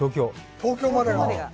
東京までが？